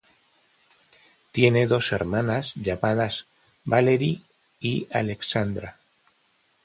Tiene dos hermanas llamadas Valerie y Alexandra.